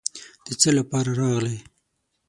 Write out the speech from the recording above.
د څه لپاره راغلې.